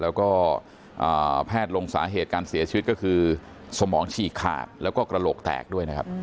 แล้วก็แพทย์ลงสาเหตุการเสียชีวิตก็คือสมองฉีกขาดแล้วก็กระโหลกแตกด้วยนะครับ